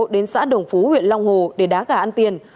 đến xã đồng phú huyện long hồ để đá gà ăn tiền